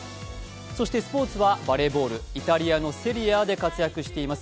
そしてスポーツはバレーボールイタリア・セリエＡで活躍しています